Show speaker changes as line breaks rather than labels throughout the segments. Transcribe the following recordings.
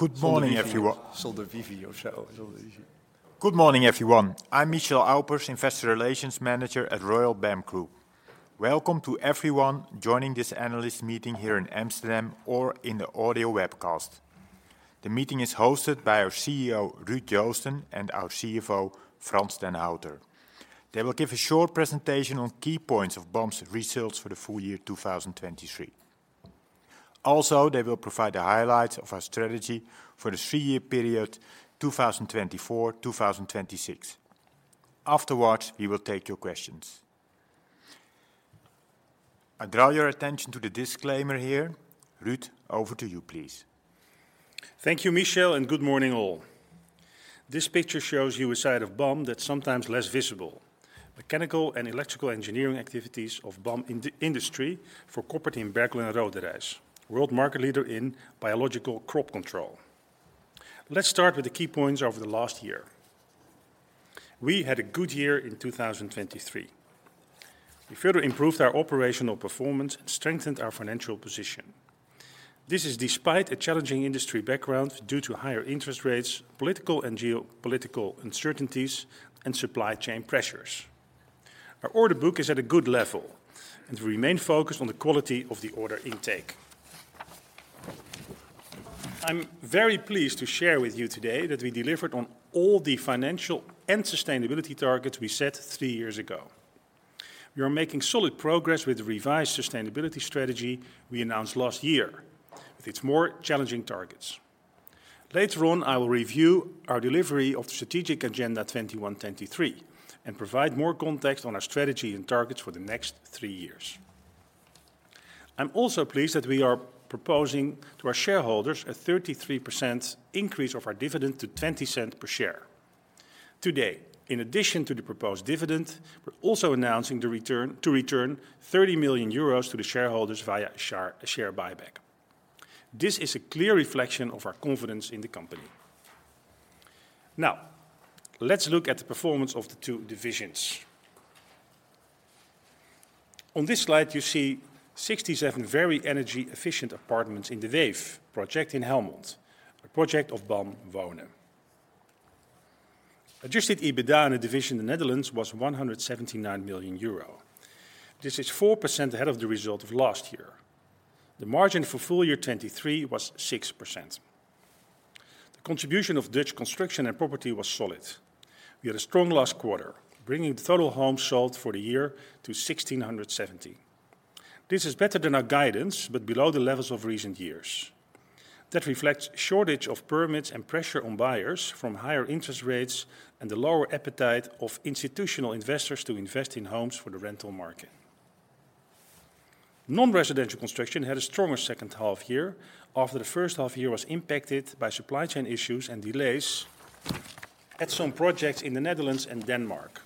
Good morning, everyone. Good morning, everyone. I'm Michel Aupers, Investor Relations Manager at Royal BAM Group. Welcome to everyone joining this analyst meeting here in Amsterdam or in the audio webcast. The meeting is hosted by our CEO, Ruud Joosten; and our CFO, Frans den Houter. They will give a short presentation on key points of BAM's results for the full year 2023. Also, they will provide the highlights of our strategy for the three-year period, 2024-2026. Afterwards, we will take your questions. I draw your attention to the disclaimer here. Ruud, over to you, please.
Thank you, Michel, and good morning all. This picture shows you a side of BAM that's sometimes less visible: mechanical and electrical engineering activities of BAM Industrie for Koppert Biological Systems in Berkel en Rodenrijs, world market leader in biological crop control. Let's start with the key points over the last year. We had a good year in 2023. We further improved our operational performance and strengthened our financial position. This is despite a challenging industry background due to higher interest rates, political and geopolitical uncertainties, and supply chain pressures. Our order book is at a good level, and we remain focused on the quality of the order intake. I'm very pleased to share with you today that we delivered on all the financial and sustainability targets we set three years ago. We are making solid progress with the revised sustainability strategy we announced last year, with its more challenging targets. Later on, I will review our delivery of the strategic agenda 2021-2023, and provide more context on our strategy and targets for the next three years. I'm also pleased that we are proposing to our shareholders a 33% increase of our dividend to 20 cents per share. Today, in addition to the proposed dividend, we're also announcing to return 30 million euros to the shareholders via a share, a share buyback. This is a clear reflection of our confidence in the company. Now, let's look at the performance of the two divisions. On this slide, you see 67 very energy-efficient apartments in the De Weef project in Helmond, a project of BAM Wonen. Adjusted EBITDA in the division in the Netherlands was 179 million euro. This is 4% ahead of the result of last year. The margin for full year 2023 was 6%. The contribution of Dutch construction and property was solid. We had a strong last quarter, bringing the total homes sold for the year to 1,670. This is better than our guidance, but below the levels of recent years. That reflects shortage of permits and pressure on buyers from higher interest rates and the lower appetite of institutional investors to invest in homes for the rental market. Non-residential construction had a stronger second half year, after the first half year was impacted by supply chain issues and delays at some projects in the Netherlands and Denmark.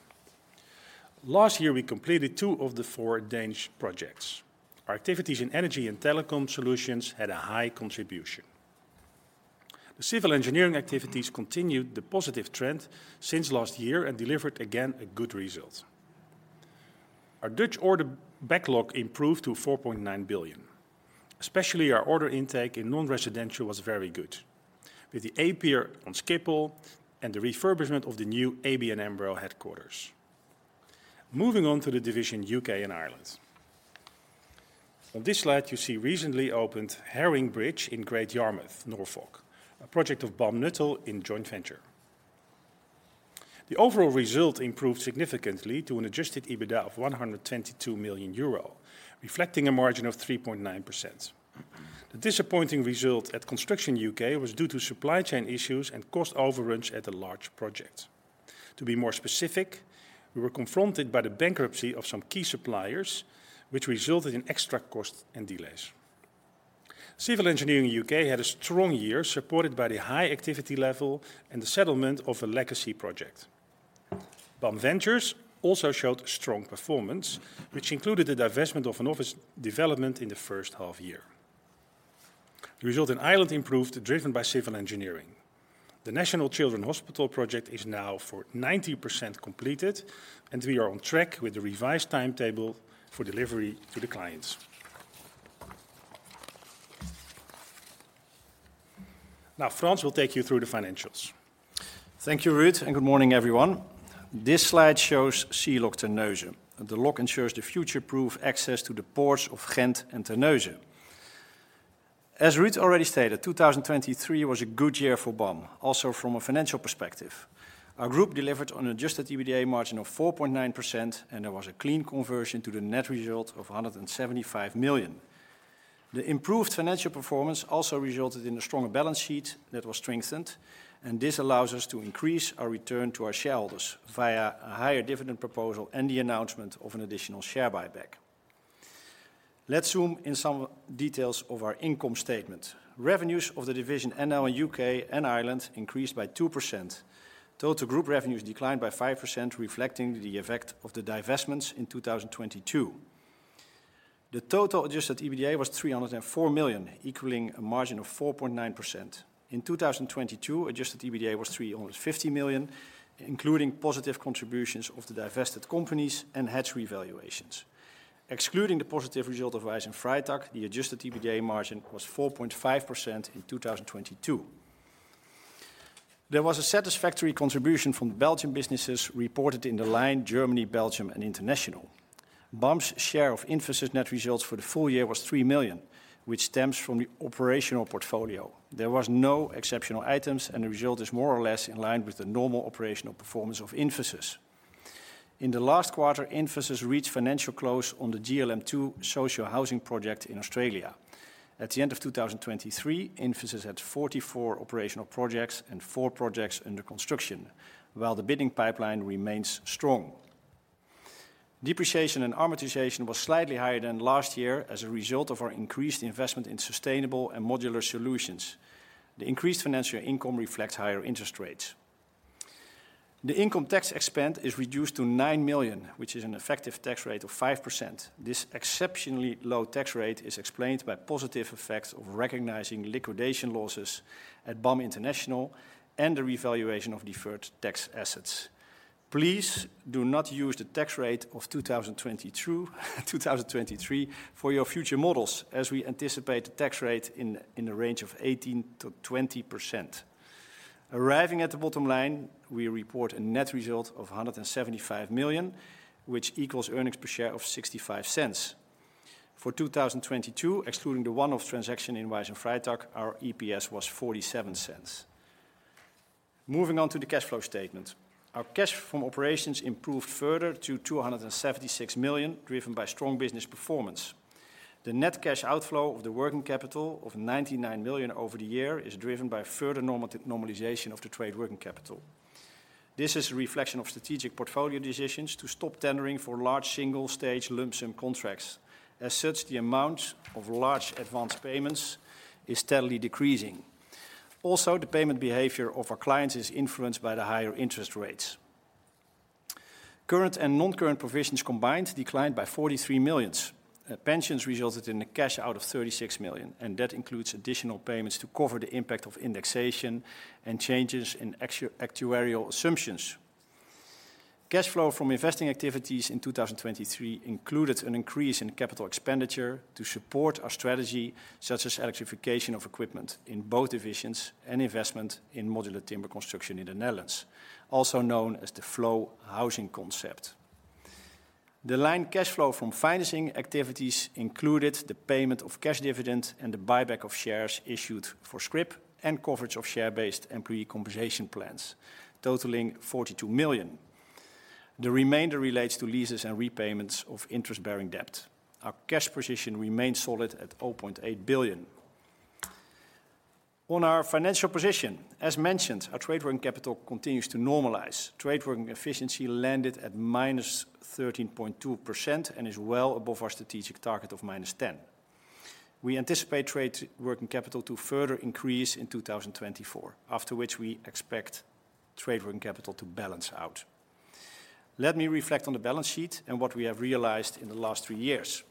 Last year, we completed two of the four Danish projects. Our activities in energy and telecom solutions had a high contribution. The civil engineering activities continued the positive trend since last year and delivered again a good result. Our Dutch order backlog improved to 4.9 billion. Especially our order intake in non-residential was very good, with the A-Pier on Schiphol and the refurbishment of the new ABN AMRO headquarters. Moving on to the division, U.K. and Ireland. On this slide, you see recently opened Herring Bridge in Great Yarmouth, Norfolk, a project of BAM Nuttall in joint venture. The overall result improved significantly to an Adjusted EBITDA of 122 million euro, reflecting a margin of 3.9%. The disappointing result at Construction U.K. was due to supply chain issues and cost overruns at a large project. To be more specific, we were confronted by the bankruptcy of some key suppliers, which resulted in extra costs and delays. Civil engineering in U.K. had a strong year, supported by the high activity level and the settlement of a legacy project. BAM Ventures also showed strong performance, which included the divestment of an office development in the first half year. The result in Ireland improved, driven by civil engineering. The National Children's Hospital project is now for 90% completed, and we are on track with the revised timetable for delivery to the clients. Now, Frans will take you through the financials.
Thank you, Ruud, and good morning, everyone. This slide shows Sea Lock Terneuzen, and the lock ensures the future-proof access to the ports of Ghent and Terneuzen. As Ruud already stated, 2023 was a good year for BAM, also from a financial perspective. Our group delivered on Adjusted EBITDA margin of 4.9%, and there was a clean conversion to the net result of 175 million. The improved financial performance also resulted in a stronger balance sheet that was strengthened, and this allows us to increase our return to our shareholders via a higher dividend proposal and the announcement of an additional share buyback. Let's zoom in some details of our income statement. Revenues of the division NL and U.K. and Ireland increased by 2%. Total group revenues declined by 5%, reflecting the effect of the divestments in 2022. The total adjusted EBITDA was 304 million, equaling a margin of 4.9%. In 2022, adjusted EBITDA was 350 million, including positive contributions of the divested companies and hedge revaluations. Excluding the positive result of Wayss & Freytag, the adjusted EBITDA margin was 4.5% in 2022. There was a satisfactory contribution from Belgian businesses reported in the line Germany, Belgium, and International. BAM's share of Invesis net results for the full year was 3 million, which stems from the operational portfolio. There was no exceptional items, and the result is more or less in line with the normal operational performance of Invesis. In the last quarter, Invesis reached financial close on the GLM-2 social housing project in Australia. At the end of 2023, Invesis had 44 operational projects and four projects under construction, while the bidding pipeline remains strong. Depreciation and amortization was slightly higher than last year as a result of our increased investment in sustainable and modular solutions. The increased financial income reflects higher interest rates. The income tax expense is reduced to 9 million, which is an effective tax rate of 5%. This exceptionally low tax rate is explained by positive effects of recognizing liquidation losses at BAM International and the revaluation of deferred tax assets. Please, do not use the tax rate of 2022, 2023, for your future models, as we anticipate the tax rate in the range of 18%-20%. Arriving at the bottom line, we report a net result of 175 million, which equals earnings per share of 0.65. For 2022, excluding the one-off transaction in Wayss & Freytag, our EPS was 0.47. Moving on to the cash flow statement. Our cash from operations improved further to 276 million, driven by strong business performance. The net cash outflow of the working capital of 99 million over the year is driven by further normalization of the trade working capital. This is a reflection of strategic portfolio decisions to stop tendering for large single-stage lump sum contracts. As such, the amount of large advanced payments is steadily decreasing. Also, the payment behavior of our clients is influenced by the higher interest rates. Current and non-current provisions combined declined by 43 million. Pensions resulted in a cash out of 36 million, and that includes additional payments to cover the impact of indexation and changes in actuarial assumptions. Cash flow from investing activities in 2023 included an increase in capital expenditure to support our strategy, such as electrification of equipment in both divisions and investment in modular timber construction in the Netherlands, also known as the Flow Housing concept. The line cash flow from financing activities included the payment of cash dividend and the buyback of shares issued for scrip and coverage of share-based employee compensation plans, totaling 42 million. The remainder relates to leases and repayments of interest-bearing debt. Our cash position remains solid at 0.8 billion. On our financial position, as mentioned, our trade working capital continues to normalize. Trade working efficiency landed at -13.2% and is well above our strategic target of -10%. We anticipate trade working capital to further increase in 2024, after which we expect trade working capital to balance out. Let me reflect on the balance sheet and what we have realized in the last three years.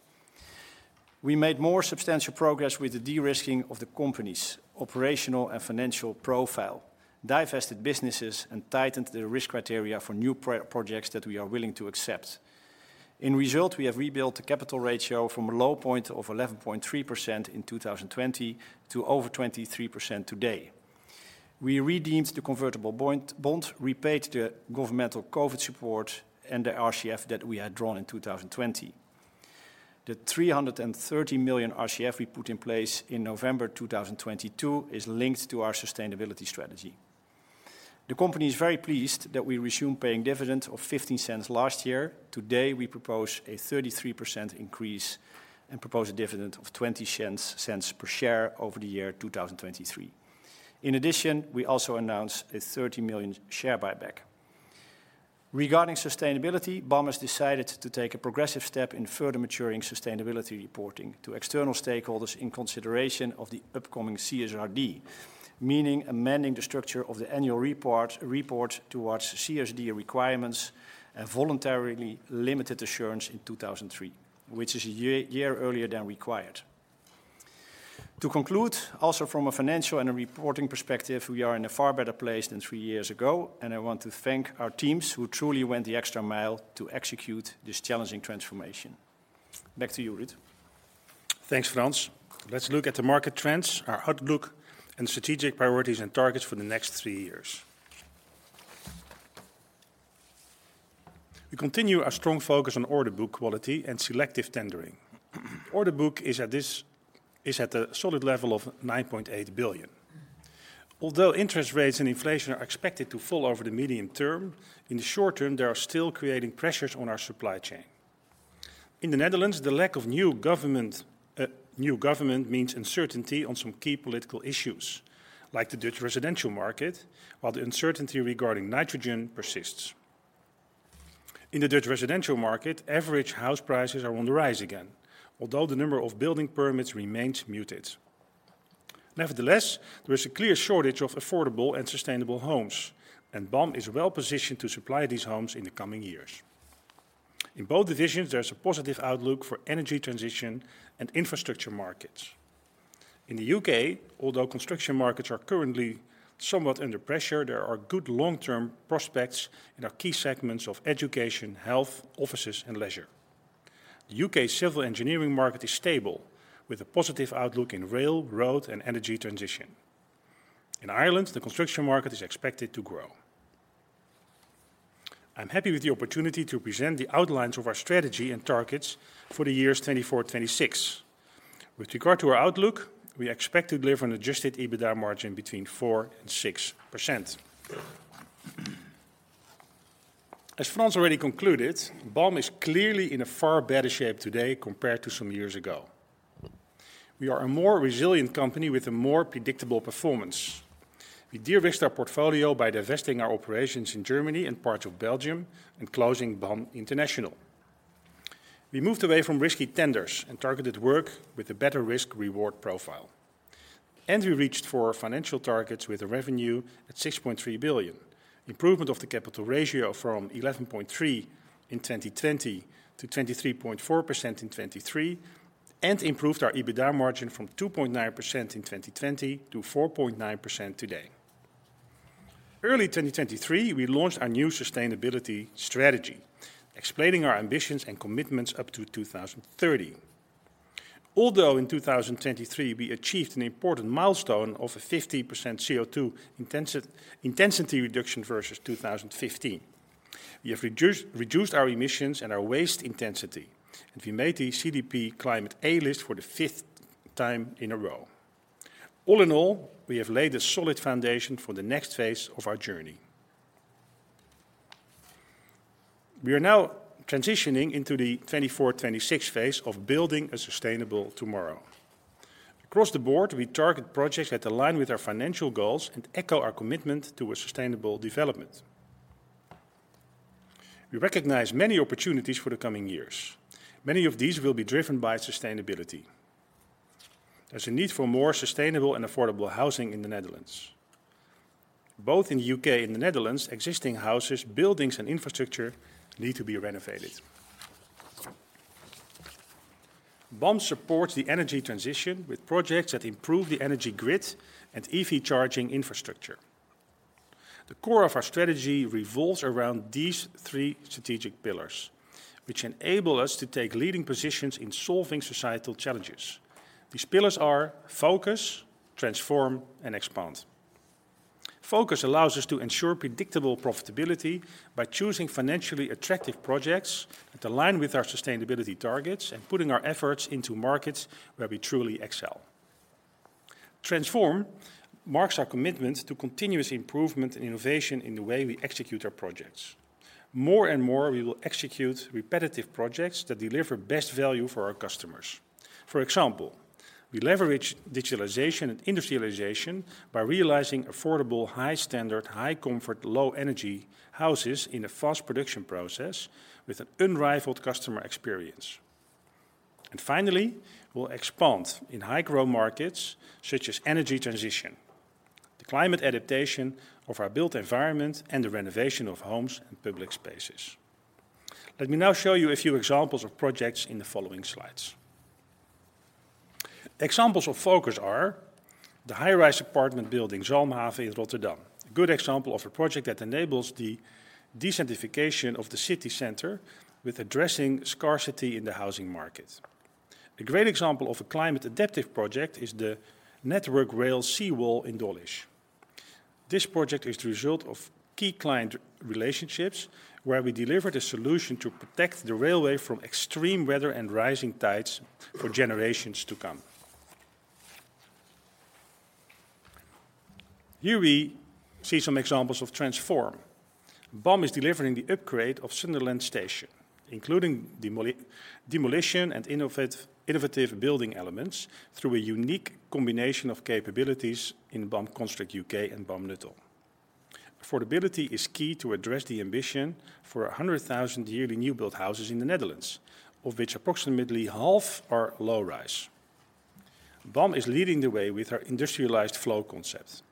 We made more substantial progress with the de-risking of the company's operational and financial profile, divested businesses, and tightened the risk criteria for new projects that we are willing to accept. As a result, we have rebuilt the capital ratio from a low point of 11.3% in 2020, to over 23% today. We redeemed the convertible bond, repaid the governmental COVID support, and the RCF that we had drawn in 2020. The 330 million RCF we put in place in November 2022, is linked to our sustainability strategy. The company is very pleased that we resumed paying dividends of 0.15 last year. Today, we propose a 33% increase and propose a dividend of 0.20 per share over the year 2023. In addition, we also announce a 30 million share buyback. Regarding sustainability, BAM has decided to take a progressive step in further maturing sustainability reporting to external stakeholders in consideration of the upcoming CSRD, meaning amending the structure of the annual report, report towards CSRD requirements and voluntarily limited assurance in 2023, which is a year earlier than required. To conclude, also from a financial and a reporting perspective, we are in a far better place than three years ago, and I want to thank our teams who truly went the extra mile to execute this challenging transformation. Back to you, Ruud.
Thanks, Frans. Let's look at the market trends, our outlook, and strategic priorities and targets for the next three years. We continue our strong focus on order book quality and selective tendering. Order book is at a solid level of 9.8 billion. Although interest rates and inflation are expected to fall over the medium term, in the short term, they are still creating pressures on our supply chain. In the Netherlands, the lack of new government means uncertainty on some key political issues, like the Dutch residential market, while the uncertainty regarding nitrogen persists. In the Dutch residential market, average house prices are on the rise again, although the number of building permits remains muted. Nevertheless, there is a clear shortage of affordable and sustainable homes, and BAM is well-positioned to supply these homes in the coming years. In both divisions, there is a positive outlook for energy transition and infrastructure markets. In the U.K., although construction markets are currently somewhat under pressure, there are good long-term prospects in our key segments of education, health, offices, and leisure. The U.K. civil engineering market is stable, with a positive outlook in rail, road, and energy transition. In Ireland, the construction market is expected to grow. I'm happy with the opportunity to present the outlines of our strategy and targets for the years 2024-2026. With regard to our outlook, we expect to deliver an adjusted EBITDA margin between 4% and 6%. As Frans already concluded, BAM is clearly in a far better shape today compared to some years ago. We are a more resilient company with a more predictable performance. We de-risked our portfolio by divesting our operations in Germany and parts of Belgium and closing BAM International. We moved away from risky tenders and targeted work with a better risk-reward profile, and we reached for our financial targets with a revenue at 6.3 billion. Improvement of the capital ratio from 11.3 in 2020 to 23.4% in 2023, and improved our EBITDA margin from 2.9% in 2020 to 4.9% today. Early 2023, we launched our new sustainability strategy, explaining our ambitions and commitments up to 2030. Although in 2023 we achieved an important milestone of a 50% CO₂ intensity reduction versus 2015, we have reduced our emissions and our waste intensity, and we made the CDP Climate A List for the 5th time in a row. All in all, we have laid a solid foundation for the next phase of our journey. We are now transitioning into the 2024/2026 phase of building a sustainable tomorrow. Across the board, we target projects that align with our financial goals and echo our commitment to a sustainable development. We recognize many opportunities for the coming years. Many of these will be driven by sustainability. There's a need for more sustainable and affordable housing in the Netherlands. Both in the U.K. and the Netherlands, existing houses, buildings, and infrastructure need to be renovated. BAM supports the energy transition with projects that improve the energy grid and EV charging infrastructure. The core of our strategy revolves around these three strategic pillars, which enable us to take leading positions in solving societal challenges. These pillars are: focus, transform, and expand. Focus allows us to ensure predictable profitability by choosing financially attractive projects that align with our sustainability targets and putting our efforts into markets where we truly excel. Transform marks our commitment to continuous improvement and innovation in the way we execute our projects. More and more, we will execute repetitive projects that deliver best value for our customers. For example, we leverage digitalization and industrialization by realizing affordable, high-standard, high-comfort, low-energy houses in a fast production process with an unrivaled customer experience. Finally, we'll expand in high-growth markets such as energy transition, the climate adaptation of our built environment, and the renovation of homes and public spaces. Let me now show you a few examples of projects in the following slides. Examples of focus are the high-rise apartment building, Zalmhaven, in Rotterdam. A good example of a project that enables the decentralization of the city center with addressing scarcity in the housing market. A great example of a climate-adaptive project is the Network Rail sea wall in Dawlish. This project is the result of key client relationships, where we delivered a solution to protect the railway from extreme weather and rising tides for generations to come. Here we see some examples of transform. BAM is delivering the upgrade of Sunderland Station, including demolition and innovative building elements through a unique combination of capabilities in BAM Construct U.K. and BAM Nuttall. Affordability is key to address the ambition for 100,000 yearly new-build houses in the Netherlands, of which approximately half are low rise. BAM is leading the way with our industrialized Flow concept,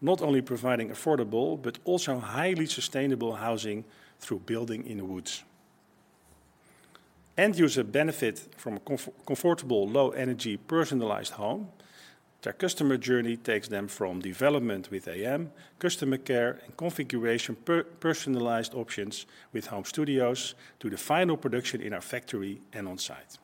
not only providing affordable, but also highly sustainable housing through building in the woods. End users benefit from a comfortable, low-energy, personalized home. Their customer journey takes them from development with AM, customer care, and configuration personalized options with Homestudios to the final production in our factory and on-site.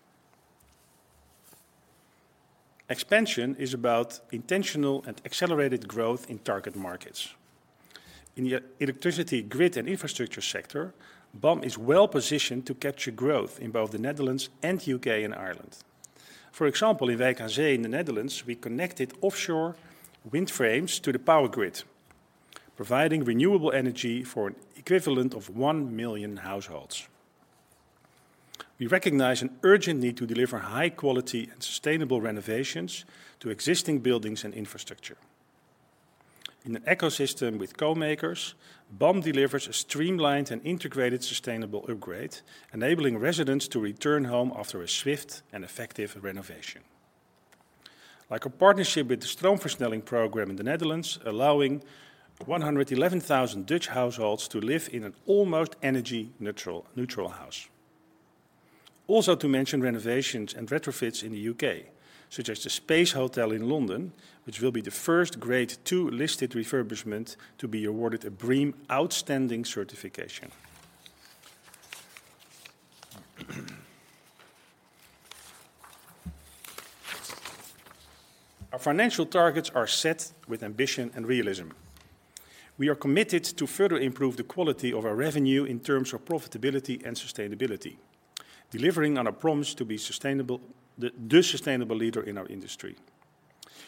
Expansion is about intentional and accelerated growth in target markets. In the electricity grid and infrastructure sector, BAM is well positioned to capture growth in both the Netherlands and U.K. and Ireland. For example, in HKZ in the Netherlands, we connected offshore wind frames to the power grid, providing renewable energy for an equivalent of 1 million households. We recognize an urgent need to deliver high-quality and sustainable renovations to existing buildings and infrastructure. In an ecosystem with co-makers, BAM delivers a streamlined and integrated sustainable upgrade, enabling residents to return home after a swift and effective renovation. Like our partnership with the Stroomversnelling program in the Netherlands, allowing 111,000 Dutch households to live in an almost energy-neutral, neutral house. Also to mention renovations and retrofits in the U.K., such as the Space House in London, which will be the first Grade II-listed refurbishment to be awarded a BREEAM Outstanding certification. Our financial targets are set with ambition and realism. We are committed to further improve the quality of our revenue in terms of profitability and sustainability, delivering on our promise to be the sustainable leader in our industry.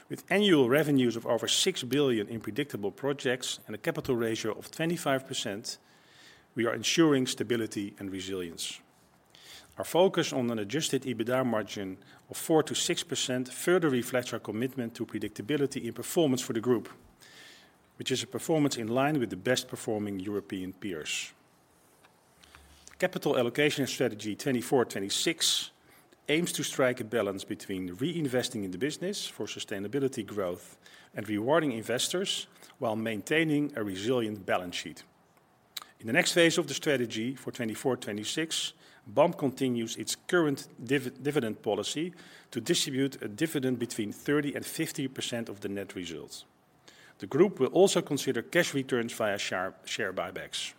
With annual revenues of over 6 billion in predictable projects and a capital ratio of 25%, we are ensuring stability and resilience. Our focus on an Adjusted EBITDA margin of 4%-6% further reflects our commitment to predictability and performance for the group, which is a performance in line with the best-performing European peers. Capital allocation strategy 2024/2026 aims to strike a balance between reinvesting in the business for sustainability growth and rewarding investors while maintaining a resilient balance sheet. In the next phase of the strategy for 2024/2026, BAM continues its current dividend policy to distribute a dividend between 30% and 50% of the net results. The group will also consider cash returns via share, share buybacks.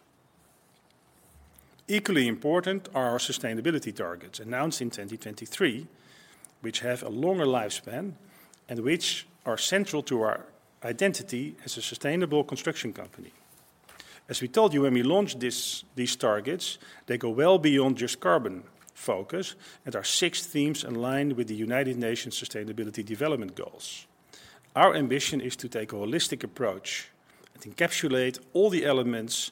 Equally important are our sustainability targets, announced in 2023, which have a longer lifespan and which are central to our identity as a sustainable construction company. As we told you when we launched this, these targets, they go well beyond just carbon focus and are six themes aligned with the United Nations Sustainability Development Goals. Our ambition is to take a holistic approach and encapsulate all the elements that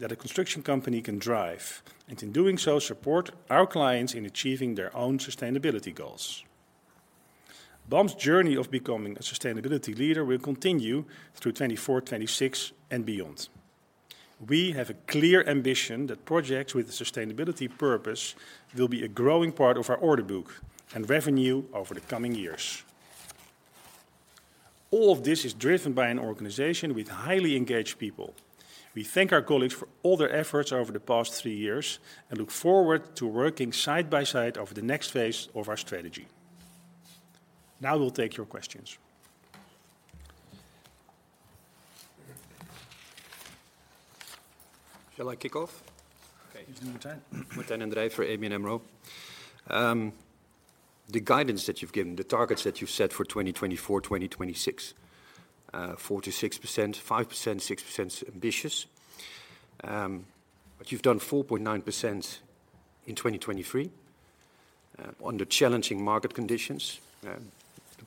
a construction company can drive, and in doing so, support our clients in achieving their own sustainability goals. BAM's journey of becoming a sustainability leader will continue through 2024/2026 and beyond. We have a clear ambition that projects with a sustainability purpose will be a growing part of our order book and revenue over the coming years. All of this is driven by an organization with highly engaged people. We thank our colleagues for all their efforts over the past three years and look forward to working side by side over the next phase of our strategy. Now, we'll take your questions.
Shall I kick off?
Okay.
Martijn den Drijver for ABN AMRO. The guidance that you've given, the targets that you've set for 2024, 2026, 4%-6%, 5%, 6%'s ambitious, but you've done 4.9% in 2023, under challenging market conditions.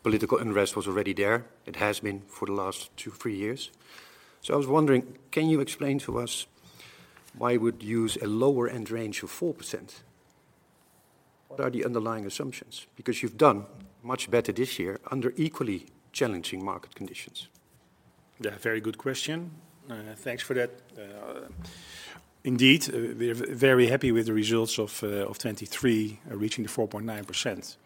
Political unrest was already there. It has been for the last two, three years. So I was wondering, can you explain to us why you would use a lower-end range of 4%? What are the underlying assumptions? Because you've done much better this year under equally challenging market conditions.
Yeah, very good question. Thanks for that. Indeed, we're very happy with the results of 2023, reaching 4.9%.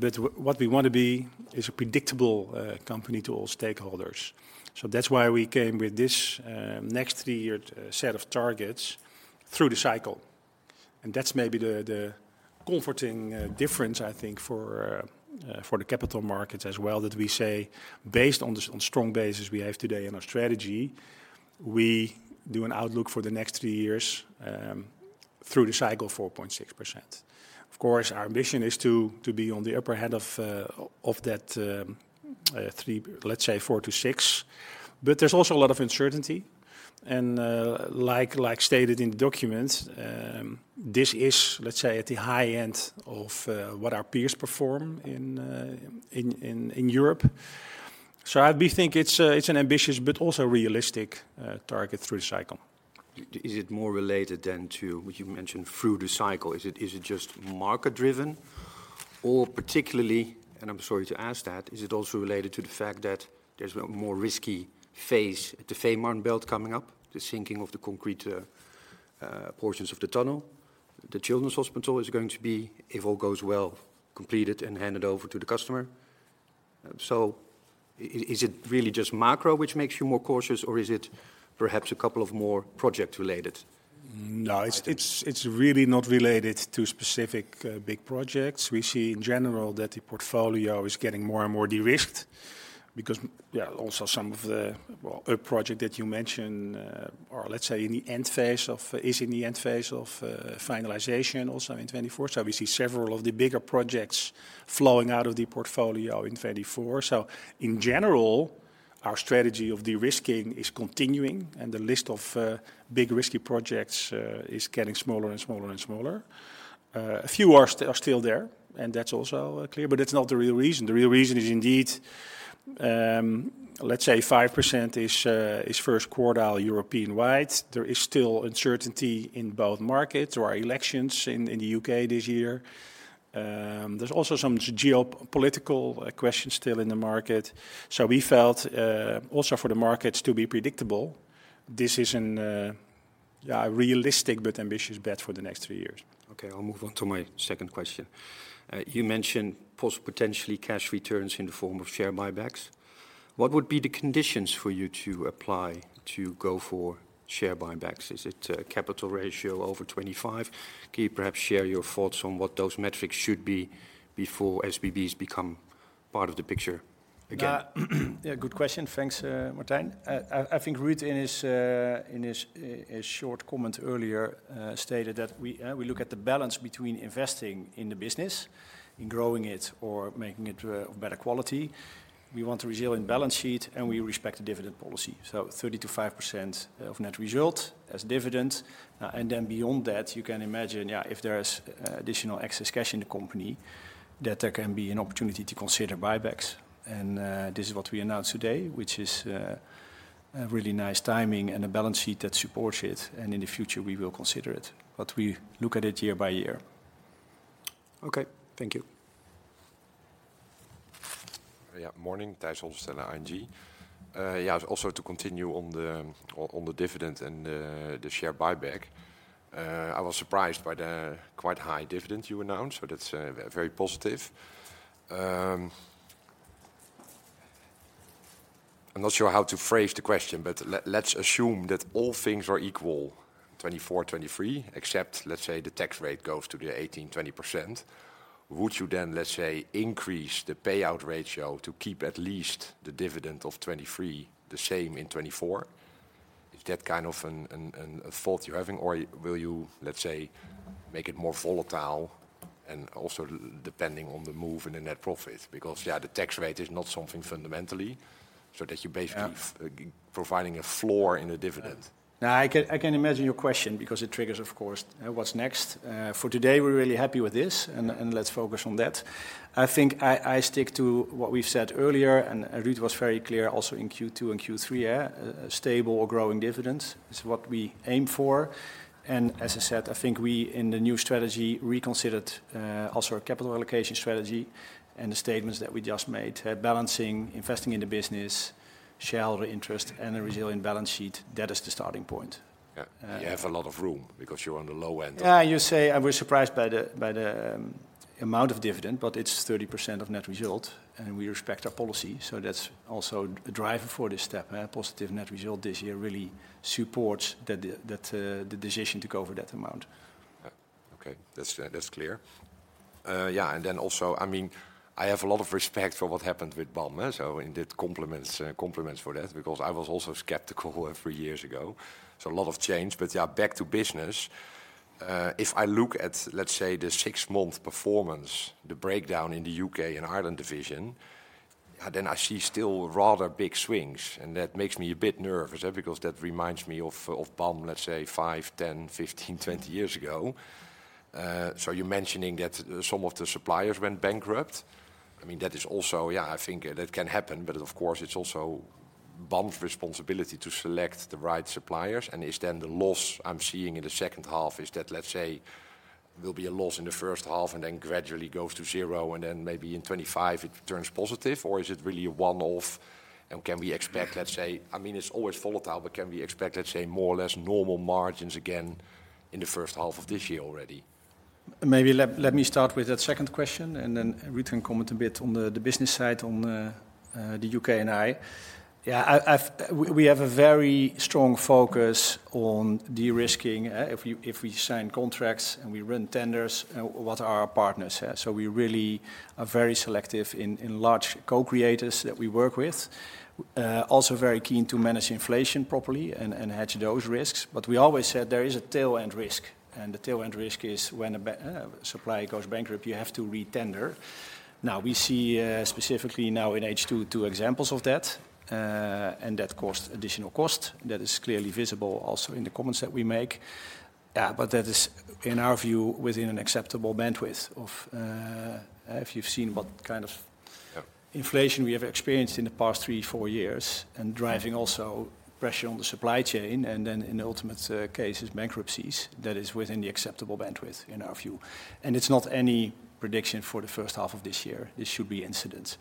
But what we want to be is a predictable company to all stakeholders. So that's why we came with this next three-year set of targets through the cycle, and that's maybe the comforting difference, I think, for the capital markets as well, that we say, based on the strong basis we have today in our strategy, we do an outlook for the next three years, through the cycle, 4.6%. Of course, our ambition is to be on the upper hand of that three, let's say four to six. But there's also a lot of uncertainty, and, like, like stated in the documents, this is, let's say, at the high end of what our peers perform in Europe. So we think it's an ambitious, but also realistic, target through the cycle.
Is it more related, then, you mentioned through the cycle. Is it, is it just market driven, or particularly, and I'm sorry to ask that, is it also related to the fact that there's a more risky phase, the Fehmarn Belt coming up, the sinking of the concrete portions of the tunnel? The Children's Hospital is going to be, if all goes well, completed and handed over to the customer. So is it really just macro, which makes you more cautious, or is it perhaps a couple of more project related?
No, it's really not related to specific big projects. We see in general that the portfolio is getting more and more de-risked because, yeah, also some of the, well, a project that you mentioned, or let's say in the end phase of, is in the end phase of finalization also in 2024. So we see several of the bigger projects flowing out of the portfolio in 2024. So in general, our strategy of de-risking is continuing, and the list of big, risky projects is getting smaller and smaller and smaller. A few are still there, and that's also clear, but it's not the real reason. The real reason is indeed, let's say 5% is first quartile European-wide. There is still uncertainty in both markets. There are elections in the U.K. this year. There's also some geopolitical questions still in the market. So we felt also for the markets to be predictable, this is an yeah realistic, but ambitious bet for the next three years.
Okay, I'll move on to my second question. You mentioned potentially cash returns in the form of share buybacks. What would be the conditions for you to apply to go for share buybacks? Is it a capital ratio over 25? Can you perhaps share your thoughts on what those metrics should be before SBBs become part of the picture?
Yeah, yeah, good question. Thanks, Martijn. I think Ruud, in his short comment earlier, stated that we look at the balance between investing in the business, in growing it or making it of better quality. We want a resilient balance sheet, and we respect the dividend policy. 30%-50% of net result as dividend. And then beyond that, you can imagine, yeah, if there is additional excess cash in the company, that there can be an opportunity to consider buybacks. And this is what we announced today, which is a really nice timing and a balance sheet that supports it, and in the future, we will consider it, but we look at it year by year.
Okay. Thank you.
Yeah. Morning, Tijs Hollestelle, ING. Yeah, also to continue on the dividend and the share buyback, I was surprised by the quite high dividend you announced, so that's very positive. I'm not sure how to phrase the question, but let's assume that all things are equal, 2024, 2023, except, let's say, the tax rate goes to the 18%-20%. Would you then, let's say, increase the payout ratio to keep at least the dividend of 2023 the same in 2024? Is that kind of a thought you're having, or will you, let's say, make it more volatile and also depending on the move in the net profit? Because, yeah, the tax rate is not something fundamentally, so that you're basically providing a floor in the dividend.
Yeah, I can, I can imagine your question because it triggers, of course, what's next. For today, we're really happy with this, and, and let's focus on that. I think I, I stick to what we've said earlier, and, and Ruud was very clear also in Q2 and Q3, yeah, stable or growing dividends is what we aim for. And as I said, I think we, in the new strategy, reconsidered, also our capital allocation strategy and the statements that we just made, balancing, investing in the business, shareholder interest, and a resilient balance sheet. That is the starting point.
Yeah. You have a lot of room because you're on the low end of-
Yeah, you say, and we're surprised by the amount of dividend, but it's 30% of net result, and we respect our policy, so that's also a driver for this step. Positive net result this year really supports the decision to go for that amount.
Yeah. Okay, that's clear. Yeah, and then also, I mean, I have a lot of respect for what happened with BAM. So indeed, compliments for that, because I was also skeptical three years ago, so a lot of change. But yeah, back to business. If I look at, let's say, the six month performance, the breakdown in the U.K. and Ireland division, then I see still rather big swings, and that makes me a bit nervous, because that reminds me of BAM, let's say, five, 10, 15, 20 years ago. So you're mentioning that some of the suppliers went bankrupt. I mean, that is also, yeah, I think that can happen, but of course, it's also BAM's responsibility to select the right suppliers. Is then the loss I'm seeing in the second half, is that, let's say, will be a loss in the first half and then gradually goes to zero, and then maybe in 2025 it turns positive? Or is it really a one-off, and can we expect, let's say I mean, it's always volatile, but can we expect, let's say, more or less normal margins again in the first half of this year already?
Maybe let me start with that second question, and then Ruud can comment a bit on the business side, on the U.K. and Ireland. Yeah, we have a very strong focus on de-risking, if we sign contracts and we run tenders, what are our partners, yeah? So we really are very selective in large co-creators that we work with. Also very keen to manage inflation properly and hedge those risks. But we always said there is a tail-end risk, and the tail-end risk is when a supplier goes bankrupt, you have to re-tender. Now, we see specifically now in H2, two examples of that, and that costs additional cost. That is clearly visible also in the comments that we make. But that is, in our view, within an acceptable bandwidth of. If you've seen what kind of inflation we have experienced in the past three, four years, and driving also pressure on the supply chain, and then in the ultimate case is bankruptcies, that is within the acceptable bandwidth, in our view. And it's not any prediction for the first half of this year. This should be incidents.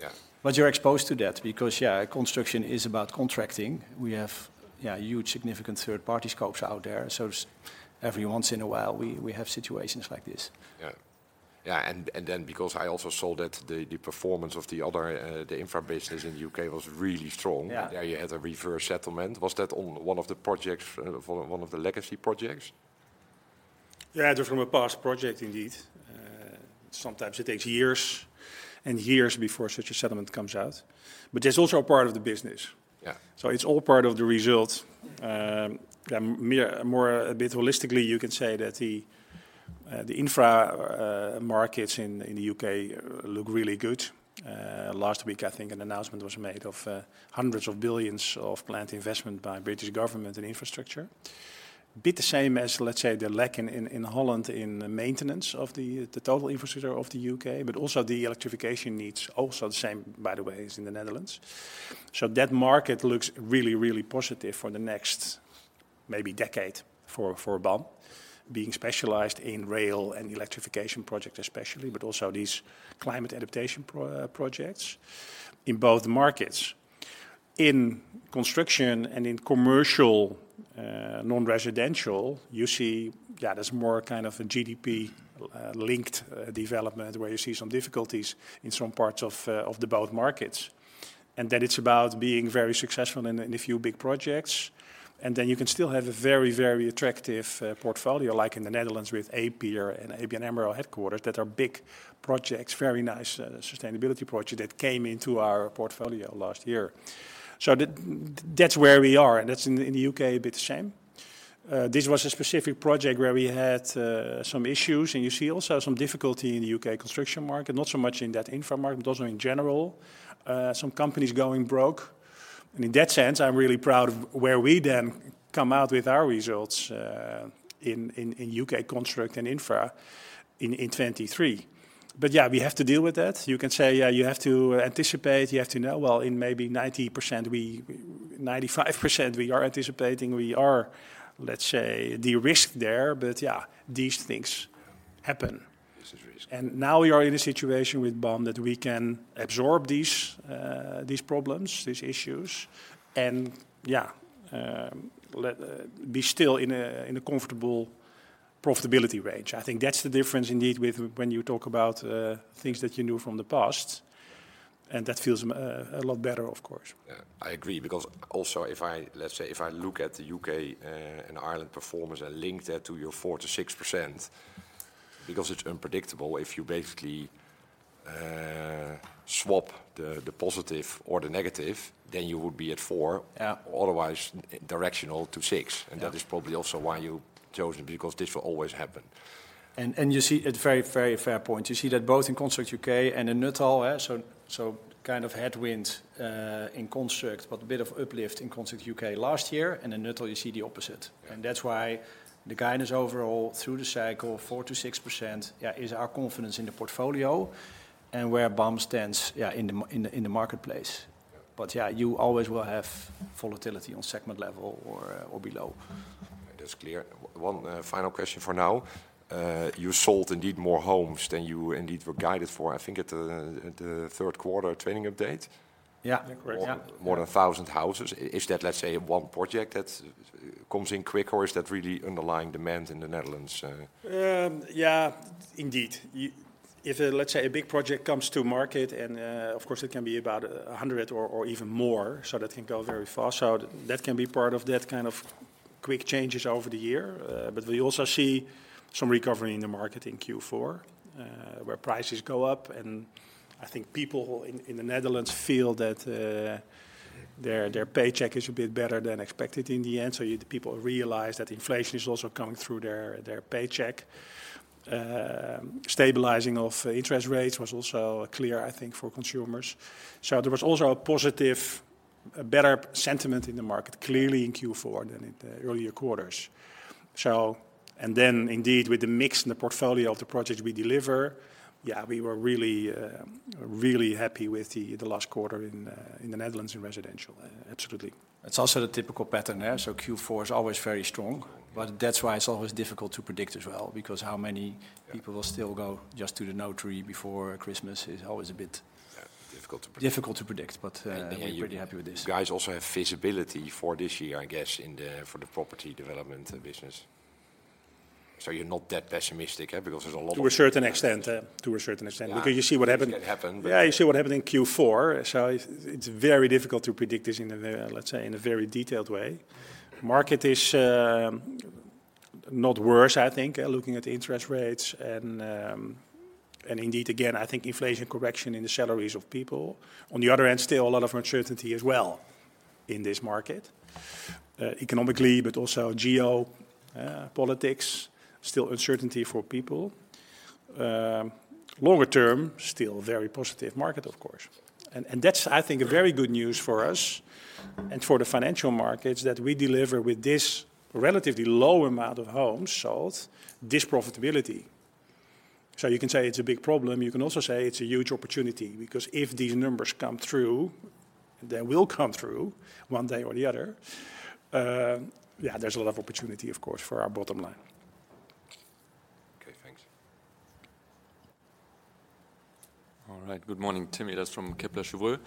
Yeah.
But you're exposed to that because, yeah, construction is about contracting. We have, yeah, huge, significant third-party scopes out there, so every once in a while, we have situations like this.
Yeah. Yeah, and then because I also saw that the performance of the other, the infra business in the U.K. was really strong.
Yeah.
There you had a reverse settlement. Was that on one of the projects, one of the legacy projects?
Yeah, it was from a past project indeed. Sometimes it takes years and years before such a settlement comes out, but that's also a part of the business.
Yeah.
So it's all part of the result. Yeah, more, a bit holistically, you can say that the infra markets in the U.K. look really good. Last week, I think an announcement was made of hundreds of billions of planned investment by British government in infrastructure. But the same as, let's say, the lack in Holland in maintenance of the total infrastructure of the U.K., but also the electrification needs, also the same, by the way, as in the Netherlands. So that market looks really, really positive for the next maybe decade for BAM, being specialized in rail and electrification projects especially, but also these climate adaptation projects in both markets. In construction and in commercial, non-residential, you see, yeah, there's more kind of a GDP linked development, where you see some difficulties in some parts of the both markets, and then it's about being very successful in a few big projects. Then you can still have a very, very attractive portfolio, like in the Netherlands, with A-Pier and ABN AMRO headquarters, that are big projects, very nice sustainability project that came into our portfolio last year. So that's where we are, and that's in the U.K., a bit the same. This was a specific project where we had some issues, and you see also some difficulty in the U.K. construction market. Not so much in that infra market, but also in general, some companies going broke. In that sense, I'm really proud of where we then come out with our results in U.K. Construct and Infra in 2023. But yeah, we have to deal with that. You can say, yeah, you have to anticipate, you have to know, well, in maybe 90% we, 95% we are anticipating, we are, let's say, de-risk there. But yeah, these things happen.
This is risk.
And now we are in a situation with BAM that we can absorb these problems, these issues, and be still in a comfortable profitability range. I think that's the difference indeed with when you talk about things that you knew from the past, and that feels a lot better, of course.
Yeah. I agree, because also, if I, let's say, if I look at the U.K. and Ireland performance and link that to your 4%-6%, because it's unpredictable, if you basically swap the positive or the negative, then you would be at four otherwise, directional to six. That is probably also why you chose it, because this will always happen.
And you see, a very, very fair point. You see that both in Construct U.K. and in Nuttall, yeah? So kind of headwind in Construct, but a bit of uplift in Construct U.K. last year, and in Nuttall, you see the opposite.
Yeah.
That's why the guidance overall, through the cycle, 4%-6%, yeah, is our confidence in the portfolio and where BAM stands, yeah, in the marketplace.
Yeah.
Yeah, you always will have volatility on segment level or below.
That's clear. One final question for now. You sold indeed more homes than you indeed were guided for, I think, at the third quarter trading update.
Yeah.
Correct.
Yeah.
More than 1,000 houses. Is that, let's say, one project that's comes in quick, or is that really underlying demand in the Netherlands?
Yeah, indeed. If, let's say, a big project comes to market and, of course, it can be about 100 or even more, so that can go very fast. So that can be part of that kind of quick changes over the year. But we also see some recovery in the market in Q4, where prices go up, and I think people in the Netherlands feel that, their paycheck is a bit better than expected in the end, so you, the people realize that inflation is also coming through their paycheck. Stabilizing of interest rates was also clear, I think, for consumers. So there was also a positive, a better sentiment in the market, clearly in Q4 than in the earlier quarters. And then indeed, with the mix in the portfolio of the projects we deliver, yeah, we were really, really happy with the last quarter in the Netherlands, in residential. Absolutely.
It's also the typical pattern, yeah, so Q4 is always very strong, but that's why it's always difficult to predict as well, because how many people will still go just to the notary before Christmas is always a bit-
Yeah, difficult to predict.
Difficult to predict. But we're pretty happy with this.
You guys also have visibility for this year, I guess, in the, for the property development business. So you're not that pessimistic, eh? Because there's a lot of-
To a certain extent,
Yeah.
because you see what happened.
It can happen.
Yeah, you see what happened in Q4, so it's, it's very difficult to predict this in a very, let's say, in a very detailed way. Market is not worse, I think, looking at the interest rates and, and indeed, again, I think inflation correction in the salaries of people. On the other hand, still a lot of uncertainty as well in this market, economically, but also geopolitics, still uncertainty for people. Longer term, still very positive market, of course. And, and that's, I think, a very good news for us and for the financial markets, that we deliver with this relatively low amount of homes sold, this profitability. So you can say it's a big problem. You can also say it's a huge opportunity, because if these numbers come through, they will come through, one day or the other. Yeah, there's a lot of opportunity, of course, for our bottom line.
Okay, thanks.
All right. Good morning. Tim Ehlers from Kepler Cheuvreux.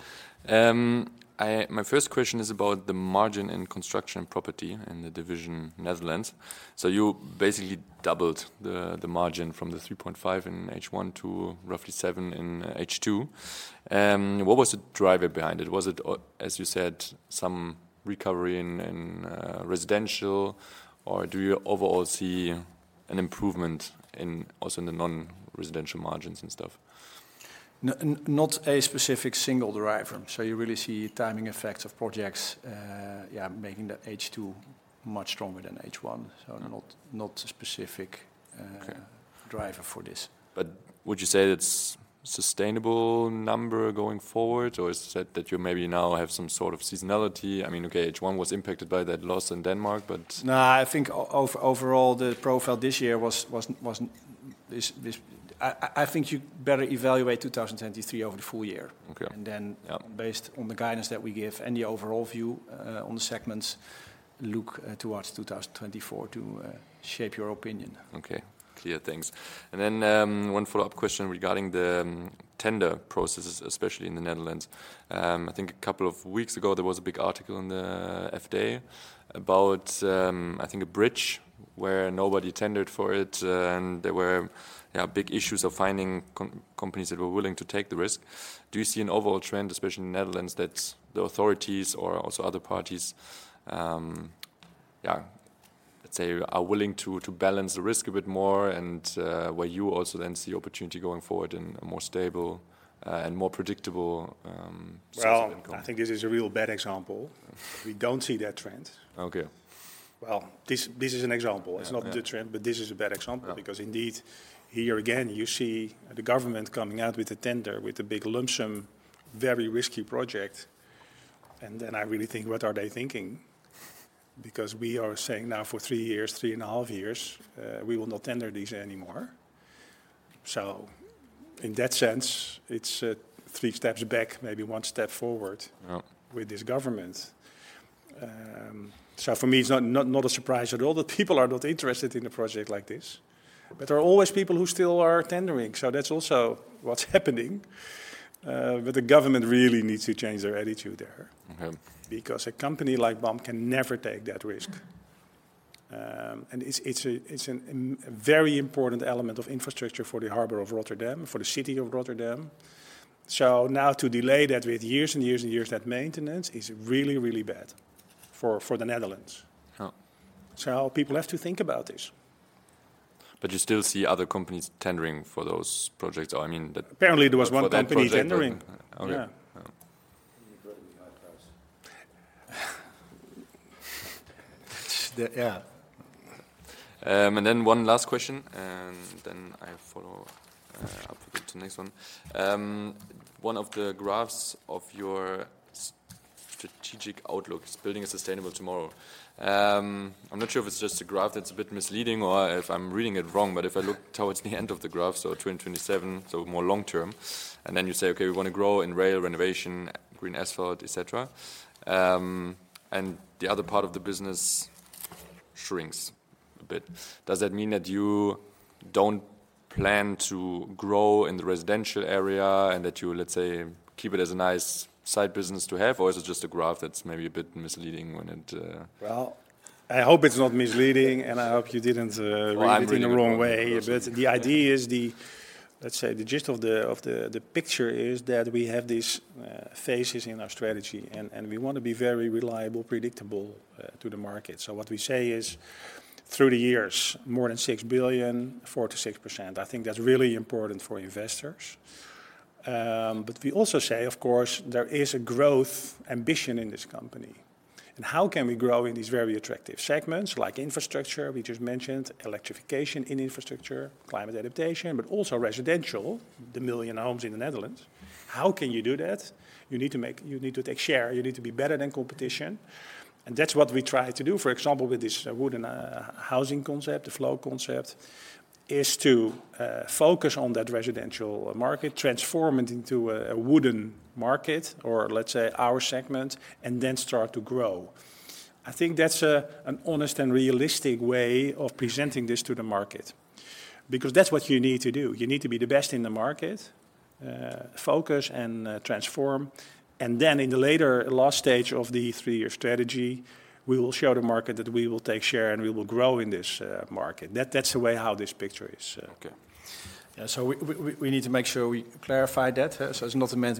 My first question is about the margin in construction and property in the division Netherlands. So you basically doubled the margin from the 3.5 in H1 to roughly 7 in H2. What was the driver behind it? Was it, as you said, some recovery in residential, or do you overall see an improvement in also in the non-residential margins and stuff?
Not a specific single driver. So you really see timing effects of projects, making the H2 much stronger than H1. So not a specific.
Okay
Driver for this.
But would you say that's sustainable number going forward, or is it that you maybe now have some sort of seasonality? I mean, okay, H1 was impacted by that loss in Denmark, but-
Nah, I think overall, the profile this year wasn't this. I think you better evaluate 2023 over the full year.
Okay.
And then based on the guidance that we give and the overall view on the segments, look towards 2024 to shape your opinion.
Okay, clear. Thanks. Then, one follow-up question regarding the tender processes, especially in the Netherlands. I think a couple of weeks ago, there was a big article in the FD about, I think, a bridge where nobody tendered for it, and there were, yeah, big issues of finding companies that were willing to take the risk. Do you see an overall trend, especially in the Netherlands, that the authorities or also other parties, yeah, let's say, are willing to balance the risk a bit more and, where you also then see opportunity going forward in a more stable and more predictable second income?
Well, I think this is a real bad example. We don't see that trend.
Okay.
Well, this is an example.
Yeah, yeah.
It's not the trend, but this is a bad example because indeed, here again, you see the government coming out with a tender, with a big lump sum, very risky project. And then I really think, "What are they thinking?" Because we are saying now for three years, three and a half years, we will not tender these anymore. So in that sense, it's, three steps back, maybe one step forward.
Yeah.
With this government. So for me, it's not, not, not a surprise at all that people are not interested in a project like this. But there are always people who still are tendering, so that's also what's happening. But the government really needs to change their attitude there.
Okay
Because a company like BAM can never take that risk. And it's a very important element of infrastructure for the harbor of Rotterdam, for the city of Rotterdam. So now to delay that with years and years and years, that maintenance is really, really bad for the Netherlands.
Yeah.
People have to think about this.
You still see other companies tendering for those projects, or, I mean, that.
Apparently, there was one company tendering.
For that project? Okay.
Yeah.
Yeah.
Yeah.
And then one last question, and then I follow up with the next one. One of the graphs of your strategic outlook is building a sustainable tomorrow. I'm not sure if it's just a graph that's a bit misleading or if I'm reading it wrong, but if I look towards the end of the graph, so 2027, so more long term, and then you say: "Okay, we want to grow in rail renovation, green asphalt, et cetera." And the other part of the business shrinks a bit. Does that mean that you don't plan to grow in the residential area and that you, let's say, keep it as a nice side business to have, or is it just a graph that's maybe a bit misleading when it,
Well, I hope it's not misleading, and I hope you didn't read it in the wrong way.
Well, I'm reading it wrong, yes.
But the idea is let's say, the gist of the picture is that we have these phases in our strategy, and we want to be very reliable, predictable to the market. So what we say is, through the years, more than 6 billion, 4%-6%. I think that's really important for investors. But we also say, of course, there is a growth ambition in this company, and how can we grow in these very attractive segments like infrastructure, we just mentioned, electrification in infrastructure, climate adaptation, but also residential, the 1 million homes in the Netherlands? How can you do that? You need to take share. You need to be better than competition, and that's what we try to do. For example, with this wooden housing concept, the Flow concept, is to focus on that residential market, transform it into a wooden market, or let's say, our segment, and then start to grow. I think that's an honest and realistic way of presenting this to the market, because that's what you need to do. You need to be the best in the market, focus and transform, and then in the later last stage of the three-year strategy, we will show the market that we will take share, and we will grow in this market. That, that's the way how this picture is.
Okay.
Yeah, so we need to make sure we clarify that, so it's not meant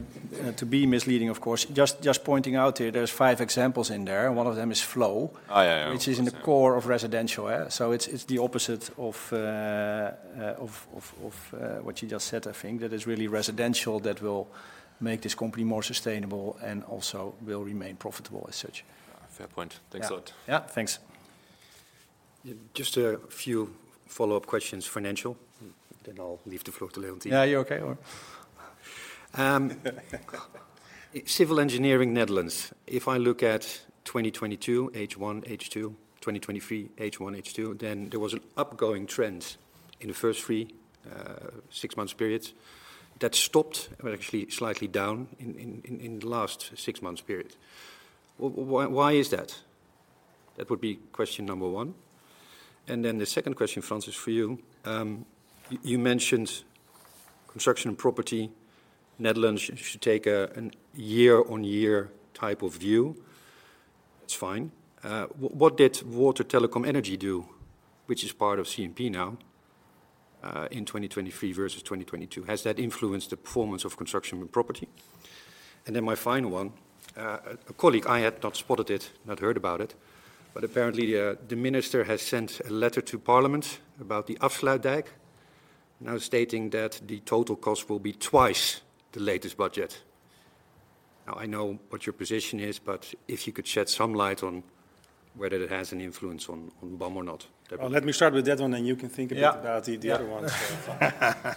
to be misleading, of course. Just pointing out here, there's five examples in there, and one of them is Flow.
Oh, yeah, yeah, I see.
Which is in the core of residential. So it's the opposite of what you just said, I think. That is really residential that will make this company more sustainable and also will remain profitable as such.
Yeah, fair point.
Yeah.
Thanks a lot.
Yeah, thanks.
Yeah, just a few follow-up questions, financial, then I'll leave the floor to Leontien.
Yeah, you're okay, or?
Civil engineering Netherlands, if I look at 2022, H1, H2, 2023, H1, H2, then there was an upgoing trend in the first three six-month periods. That stopped, well, actually slightly down in the last six-month period. Why, why is that? That would be question number one. Then the second question, Frans, for you: You mentioned construction and property. Netherlands should take a year-on-year type of view. That's fine. What did Water Telecom Energy do, which is part of CMP now, in 2023 versus 2022? Has that influenced the performance of construction with property? And then my final one, a colleague, I had not spotted it, not heard about it, but apparently, the minister has sent a letter to Parliament about the Afsluitdijk, now stating that the total cost will be twice the latest budget. Now, I know what your position is, but if you could shed some light on whether it has any influence on BAM or not, that would.
Well, let me start with that one, and you can think about the other ones.
Yeah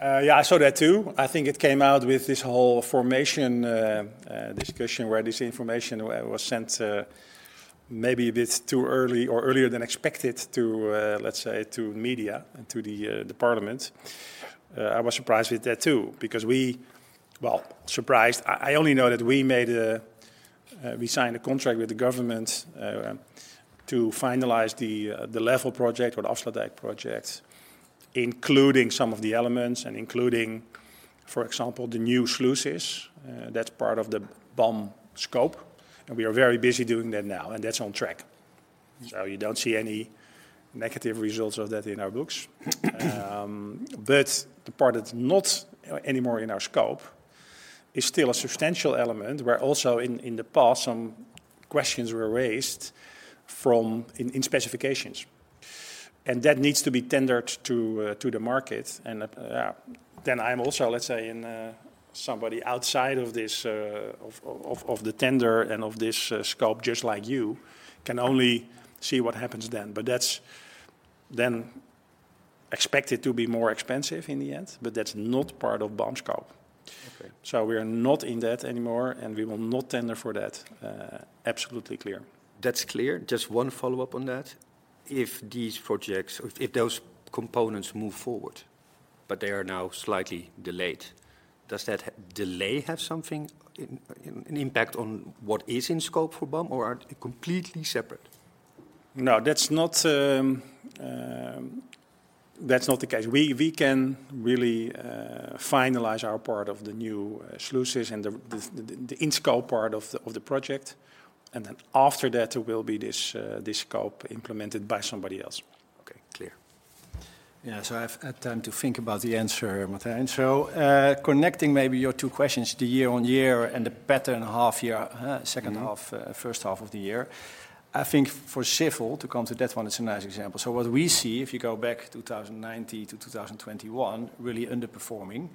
Yeah, I saw that, too. I think it came out with this whole information discussion, where this information was sent, maybe a bit too early or earlier than expected to, let's say, to media and to the parliament. I was surprised with that, too, because we, well, surprised, I only know that we signed a contract with the government to finalize the IJsselmeer project or the Afsluitdijk project, including some of the elements and including, for example, the new sluices, that's part of the BAM scope, and we are very busy doing that now, and that's on track. So you don't see any negative results of that in our books. But the part that's not anymore in our scope is still a substantial element, where also in the past, some questions were raised from in specifications, and that needs to be tendered to the market. Then I'm also, let's say, somebody outside of this, of the tender and of this scope, just like you, can only see what happens then, but that's then expected to be more expensive in the end. But that's not part of BAM scope.
Okay.
We are not in that anymore, and we will not tender for that. Absolutely clear.
That's clear. Just one follow-up on that. If these projects, if those components move forward but they are now slightly delayed, does that delay have something in an impact on what is in scope for BAM or are completely separate?
No, that's not the case. We can really finalize our part of the new sluices and the in-scope part of the project, and then after that, there will be this scope implemented by somebody else.
Okay, clear.
Yeah. So I've had time to think about the answer, Martijn. So, connecting maybe your two questions, the year-on-year and the pattern half-year, second half, first half of the year, I think for Civil, to come to that one, it's a nice example. So what we see, if you go back 2009-2021, really underperforming.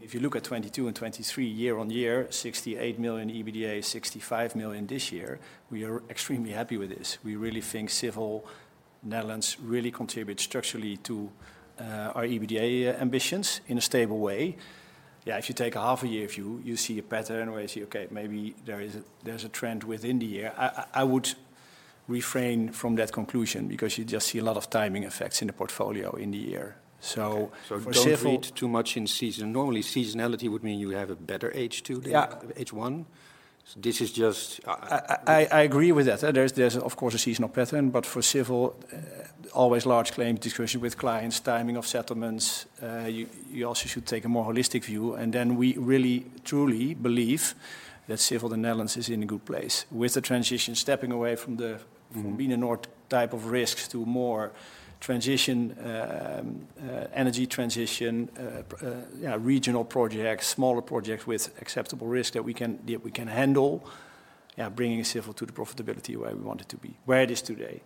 If you look at 2022 and 2023, year-on-year, 68 million EBITDA, 65 million this year, we are extremely happy with this. We really think Civil Netherlands really contributes structurally to our EBITDA ambitions in a stable way. Yeah, if you take a half-year view, you see a pattern where you say, "Okay, maybe there is a trend within the year." I would refrain from that conclusion because you just see a lot of timing effects in the portfolio in the year. So for Civil-
Don't read too much into seasonality. Normally, seasonality would mean you have a better H2.
Yeah.
Than H1. This is just,
I agree with that. There's of course a seasonal pattern, but for Civil, always large claim discussion with clients, timing of settlements, you also should take a more holistic view, and then we really, truly believe that Civil Netherlands is in a good place with the transition, stepping away from being a north type of risks to more transition, energy transition, yeah, regional projects, smaller projects with acceptable risk that we can handle. Yeah, bringing Civil to the profitability where we want it to be, where it is today.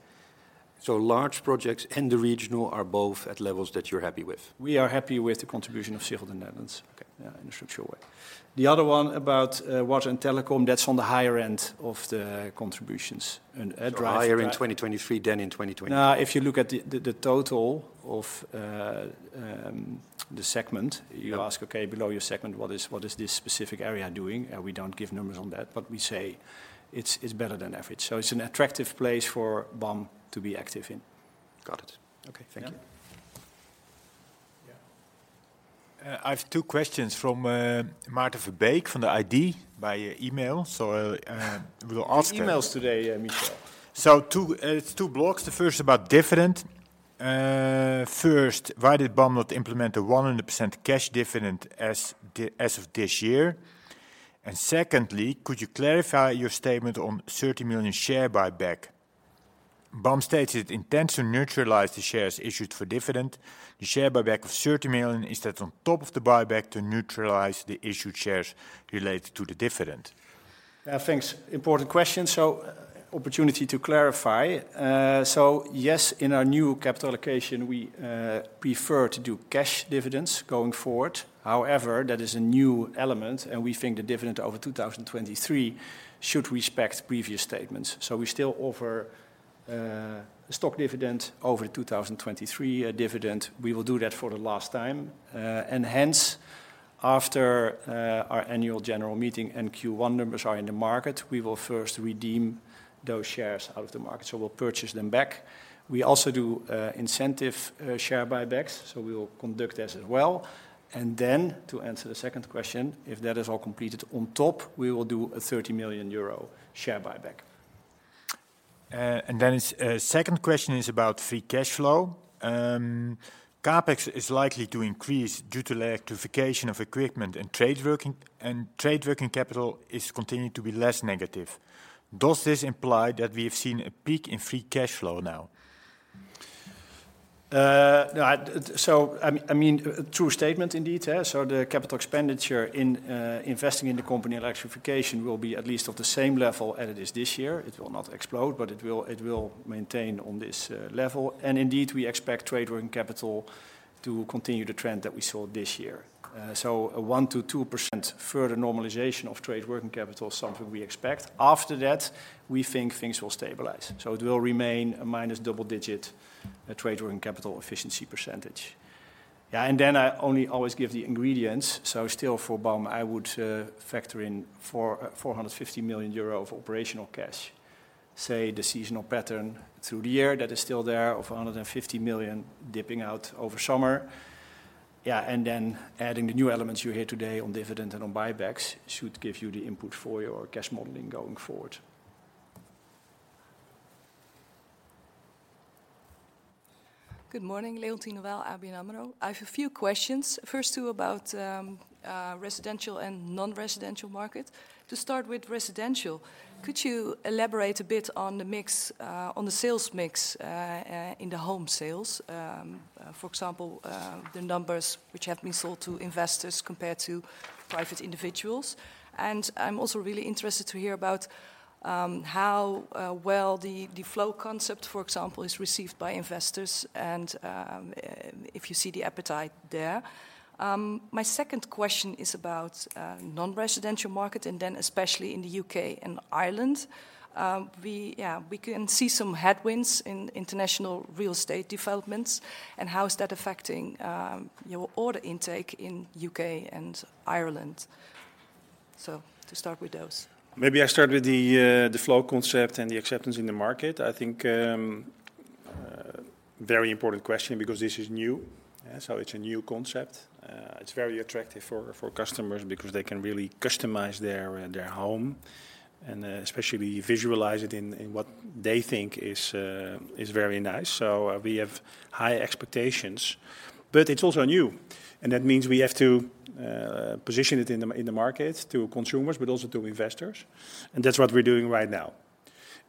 So large projects and the regional are both at levels that you're happy with?
We are happy with the contribution of Civil Netherlands.
Okay.
Yeah, in a structural way. The other one about water and telecom, that's on the higher end of the contributions and address that.
Higher in 2023 than in 2022?
Nah, if you look at the total of the segment you ask, "Okay, below your segment, what is, what is this specific area doing?" And we don't give numbers on that, but we say it's, it's better than average. So it's an attractive place for BAM to be active in.
Got it.
Okay.
Thank you.
Yeah.
I have two questions from Maarten Verbeek from ING, by email. So, we will ask-
Many emails today, Michel.
So two, it's two blocks. The first about dividend. First, why did BAM not implement the 100% cash dividend as of this year? And secondly, could you clarify your statement on 30 million share buyback? BAM stated it intends to neutralize the shares issued for dividend. The share buyback of 30 million, is that on top of the buyback to neutralize the issued shares related to the dividend?
Yeah, thanks. Important question, so opportunity to clarify. So yes, in our new capital allocation, we prefer to do cash dividends going forward. However, that is a new element, and we think the dividend over 2023 should respect previous statements. So we still offer a stock dividend over 2023 dividend. We will do that for the last time, and hence, after our annual general meeting and Q1 numbers are in the market, we will first redeem those shares out of the market. So we'll purchase them back. We also do incentive share buybacks, so we will conduct this as well. And then, to answer the second question, if that is all completed, on top, we will do a 30 million euro share buyback.
And then it's second question is about free cash flow. CapEx is likely to increase due to electrification of equipment and trade working, and trade working capital is continuing to be less negative. Does this imply that we have seen a peak in free cash flow now?
So I mean, a true statement indeed, yeah. So the capital expenditure in investing in the company electrification will be at least of the same level as it is this year. It will not explode, but it will maintain on this level. And indeed, we expect trade working capital to continue the trend that we saw this year. So a 1%-2% further normalization of trade working capital is something we expect. After that, we think things will stabilize, so it will remain a minus double-digit trade working capital efficiency percentage. Yeah, and then I only always give the ingredients, so still for BAM, I would factor in 450 million euro of operational cash. Say, the seasonal pattern through the year, that is still there, of 150 million dipping out over summer. Yeah, and then adding the new elements you hear today on dividend and on buybacks, should give you the input for your cash modeling going forward.
Good morning, Leontien de Waal, ABN AMRO. I have a few questions. First, two about residential and non-residential market. To start with residential, could you elaborate a bit on the mix, on the sales mix, in the home sales? For example, the numbers which have been sold to investors compared to private individuals. And I'm also really interested to hear about, how well the Flow concept, for example, is received by investors, and if you see the appetite there. My second question is about non-residential market, and then especially in the U.K. and Ireland. Yeah, we can see some headwinds in international real estate developments, and how is that affecting your order intake in U.K. and Ireland? So to start with those.
Maybe I start with the Flow concept and the acceptance in the market. I think, very important question because this is new. Yeah, so it's a new concept. It's very attractive for customers because they can really customize their home, and especially visualize it in what they think is very nice. So we have high expectations, but it's also new, and that means we have to position it in the market to consumers, but also to investors, and that's what we're doing right now.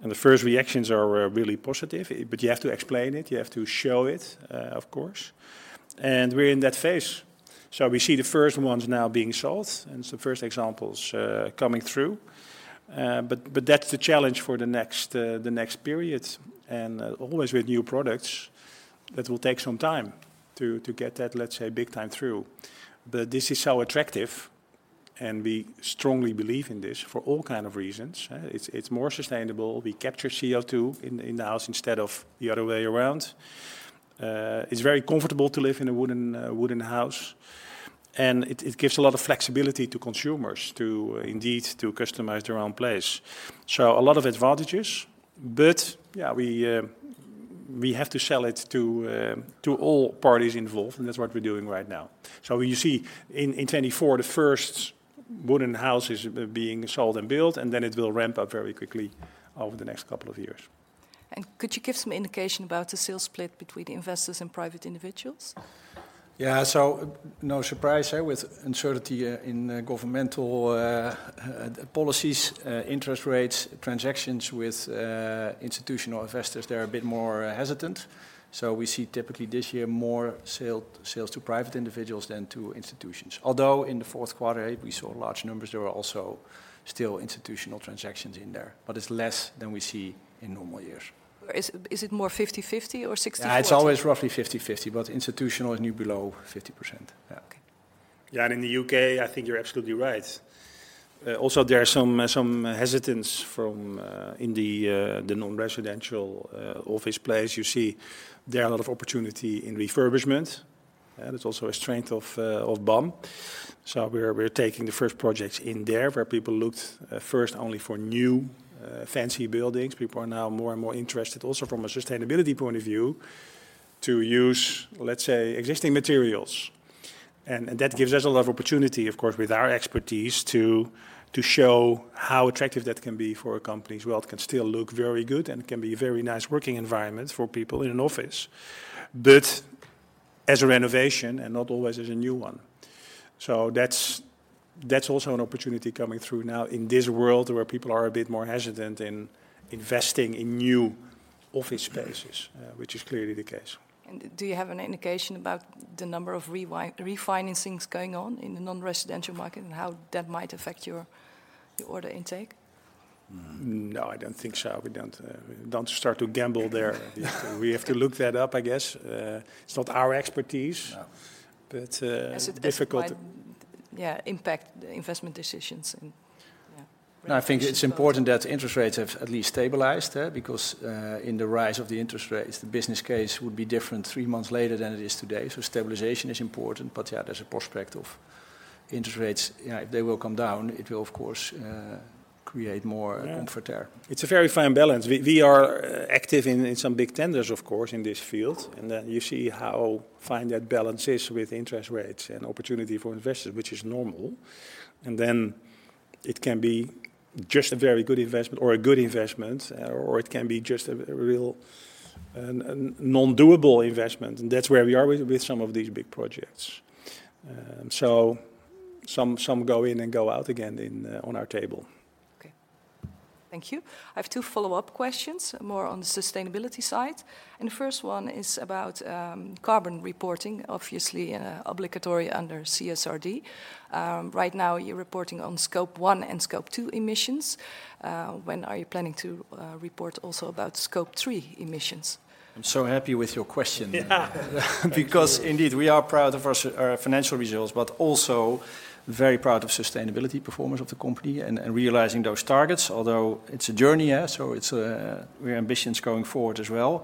And the first reactions are really positive, but you have to explain it, you have to show it, of course, and we're in that phase. So we see the first ones now being sold, and so first examples coming through. But that's the challenge for the next period, and always with new products, that will take some time to get that, let's say, big time through. But this is so attractive, and we strongly believe in this for all kind of reasons. It's more sustainable. We capture CO2 in the house instead of the other way around. It's very comfortable to live in a wooden house, and it gives a lot of flexibility to consumers to, indeed, to customize their own place. So a lot of advantages, but yeah, we have to sell it to all parties involved, and that's what we're doing right now. You see, in 2024, the first wooden houses are being sold and built, and then it will ramp up very quickly over the next couple of years.
Could you give some indication about the sales split between investors and private individuals?
Yeah. So no surprise, eh, with uncertainty in governmental policies, interest rates, transactions with institutional investors, they're a bit more hesitant. So we see typically this year, more sale, sales to private individuals than to institutions. Although, in the fourth quarter, we saw large numbers, there were also still institutional transactions in there, but it's less than we see in normal years.
Is it more 50/50 or 60/40?
Yeah, it's always roughly 50/50, but institutional is now below 50%. Yeah.
Okay.
Yeah, and in the U.K., I think you're absolutely right. Also, there are some hesitance from in the non-residential office place. You see, there are a lot of opportunity in refurbishment, and it's also a strength of BAM. So we're taking the first projects in there, where people looked first only for new fancy buildings. People are now more and more interested, also from a sustainability point of view, to use, let's say, existing materials. And that gives us a lot of opportunity, of course, with our expertise, to show how attractive that can be for a company as well. It can still look very good, and it can be a very nice working environment for people in an office, but as a renovation and not always as a new one. So that's also an opportunity coming through now in this world, where people are a bit more hesitant in investing in new office spaces, which is clearly the case.
Do you have an indication about the number of refinancings going on in the non-residential market, and how that might affect your, your order intake?
No, I don't think so. We don't start to gamble there. We have to look that up, I guess. It's not our expertise. Yeah but, difficult.
As it might, yeah, impact the investment decisions, and yeah.
No, I think it's important that interest rates have at least stabilized, because, in the rise of the interest rates, the business case would be different three months later than it is today. So stabilization is important, but yeah, there's a prospect of interest rates. Yeah, if they will come down, it will, of course, create more comfort there. It's a very fine balance. We are active in some big tenders, of course, in this field, and then you see how fine that balance is with interest rates and opportunity for investors, which is normal. And then it can be just a very good investment or a good investment, or it can be just a real non-doable investment, and that's where we are with some of these big projects. So some go in and go out again in on our table.
Okay. Thank you. I have two follow-up questions, more on the sustainability side, and the first one is about carbon reporting, obviously, obligatory under CSRD. Right now, you're reporting on Scope 1 and Scope 2 emissions. When are you planning to report also about Scope 3 emissions?
I'm so happy with your question. Yeah. Because indeed, we are proud of our financial results, but also very proud of sustainability performance of the company and realising those targets, although it's a journey, yeah, so it's we have ambitions going forward as well.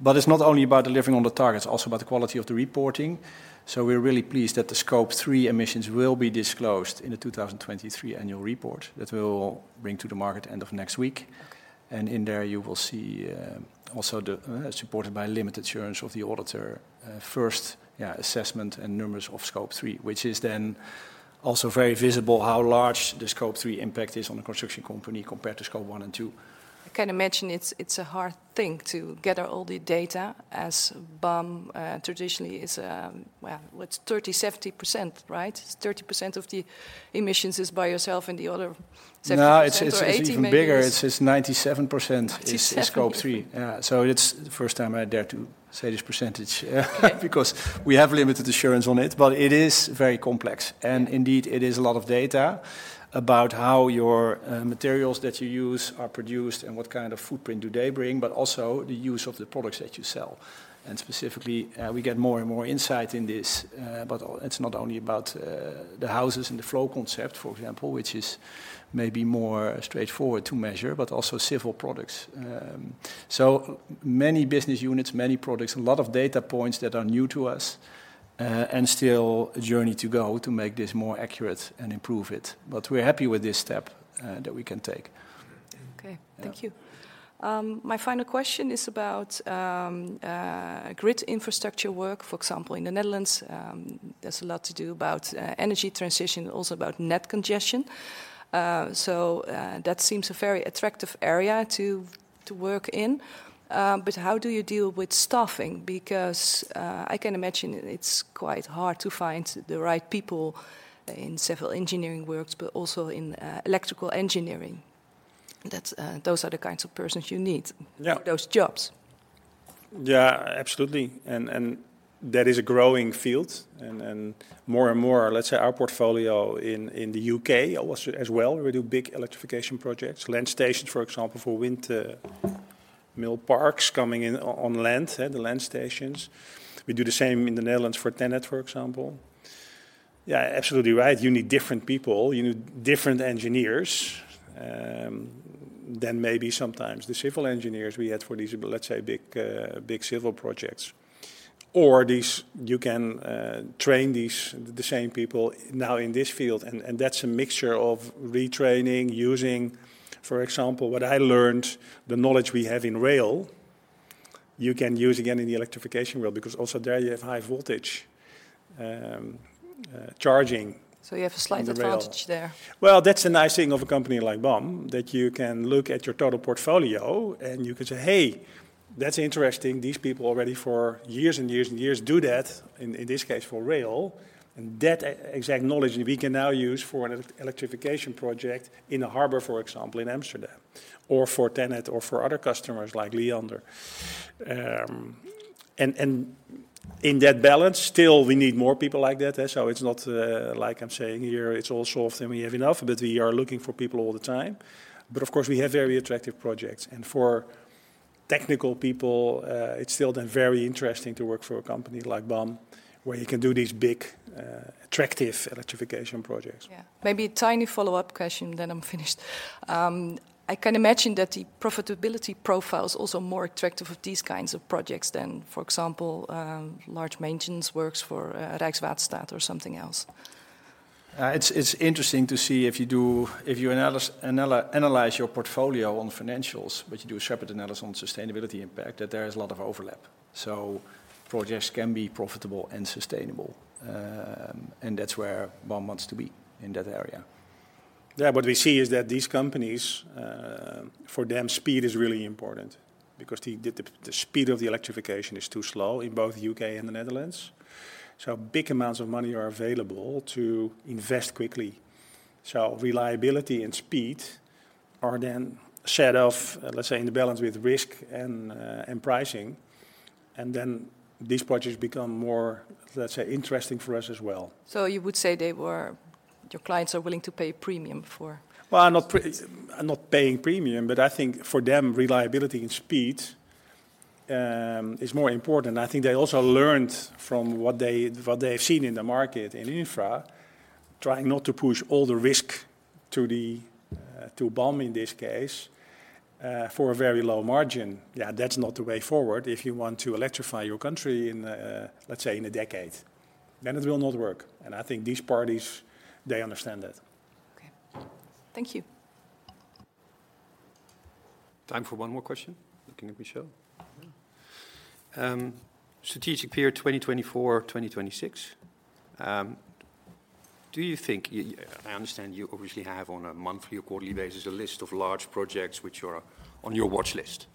But it's not only about delivering on the targets, also about the quality of the reporting. So we're really pleased that the Scope 3 emissions will be disclosed in the 2023 annual report that we'll bring to the market end of next week. And in there, you will see also the supported by limited assurance of the auditor. First assessment and numbers of Scope 3, which is then also very visible how large the Scope 3 impact is on the construction company compared to Scope 1 and 2.
I can imagine it's, it's a hard thing to gather all the data, as BAM traditionally is, well, it's 30-70%, right? 30% of the emissions is by yourself and the other 70% or 80% maybe.
No, it's even bigger. It's 97% Scope 3. Yeah. So it's the first time I dare to say this percentage, because we have limited assurance on it, but it is very complex. And indeed, it is a lot of data about how your materials that you use are produced and what kind of footprint do they bring, but also the use of the products that you sell. And specifically, we get more and more insight in this, but it's not only about the houses and the Flow concept, for example, which is maybe more straightforward to measure, but also civil products. So many business units, many products, a lot of data points that are new to us, and still a journey to go to make this more accurate and improve it. But we're happy with this step that we can take.
Okay, thank you. My final question is about grid infrastructure work. For example, in the Netherlands, there's a lot to do about energy transition, also about net congestion. So, that seems a very attractive area to work in. But how do you deal with staffing? Because I can imagine it's quite hard to find the right people in civil engineering works, but also in electrical engineering. That's those are the kinds of persons you need?
Yeah.
Those jobs?
Yeah, absolutely. And that is a growing field, and more and more, let's say, our portfolio in the U.K. also as well, we do big electrification projects, land stations, for example, for windmill parks coming in on land, the land stations. We do the same in the Netherlands for TenneT, for example. Yeah, absolutely right. You need different people, you need different engineers, than maybe sometimes the civil engineers we had for these, let's say, big big civil projects. Or these you can train these, the same people now in this field, and that's a mixture of retraining, using, for example, what I learned, the knowledge we have in rail, you can use again in the electrification rail, because also there you have high voltage, charging.
So you have a slight advantage there?
Well, that's the nice thing of a company like BAM, that you can look at your total portfolio, and you can say, "Hey, that's interesting. These people already for years and years and years do that, in this case, for rail, and that exact knowledge we can now use for an electrification project in a harbor, for example, in Amsterdam, or for TenneT, or for other customers like Liander." And in that balance, still, we need more people like that, so it's not like I'm saying here, it's all solved, and we have enough, but we are looking for people all the time. But of course, we have very attractive projects, and for technical people, it's still then very interesting to work for a company like BAM, where you can do these big, attractive electrification projects.
Yeah. Maybe a tiny follow-up question, then I'm finished. I can imagine that the profitability profile is also more attractive of these kinds of projects than, for example, large maintenance works for Rijkswaterstaat or something else.
It's interesting to see if you analyze your portfolio on financials, but you do a separate analysis on sustainability impact, that there is a lot of overlap. So projects can be profitable and sustainable, and that's where BAM wants to be, in that area. Yeah, what we see is that these companies, for them, speed is really important because the speed of the electrification is too slow in both the U.K. and the Netherlands. So big amounts of money are available to invest quickly. So reliability and speed are then set off, let's say, in the balance with risk and pricing, and then these projects become more, let's say, interesting for us as well.
So you would say they were, your clients are willing to pay a premium for-
Well, not paying premium, but I think for them, reliability and speed is more important. I think they also learned from what they, what they've seen in the market, in infra, trying not to push all the risk to the, to BAM in this case, for a very low margin. Yeah, that's not the way forward if you want to electrify your country in a, let's say, in a decade, then it will not work. And I think these parties, they understand that.
Okay. Thank you.
Time for one more question, looking at Michel. Strategic period, 2024-2026. Do you think I understand you obviously have on a monthly or quarterly basis, a list of large projects which are on your watchlist.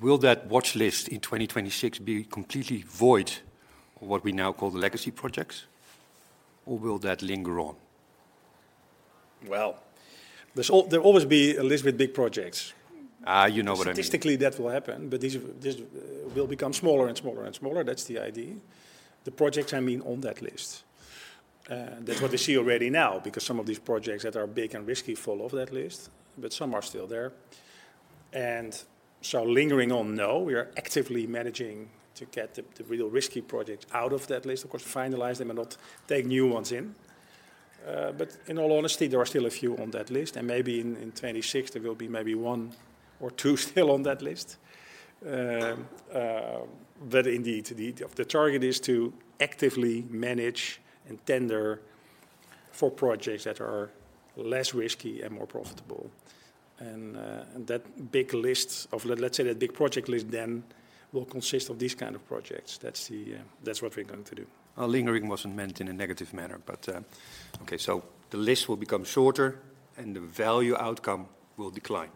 Will that watchlist in 2026 be completely void of what we now call the legacy projects, or will that linger on?
Well, there'll always be a list with big projects.
Ah, you know what I mean.
Statistically, that will happen, but these, these will become smaller and smaller and smaller. That's the idea. The projects, I mean, on that list. That's what we see already now, because some of these projects that are big and risky fall off that list, but some are still there. And so lingering on, no, we are actively managing to get the, the real risky projects out of that list. Of course, finalize them and not take new ones in. But in all honesty, there are still a few on that list, and maybe in, in 2026, there will be maybe one or two still on that list. But indeed, the, the target is to actively manage and tender for projects that are less risky and more profitable. And that big list of, let's say, that big project list then will consist of these kind of projects. That's the, that's what we're going to do.
Well, lingering wasn't meant in a negative manner, but, okay, so the list will become shorter, and the value outcome will decline.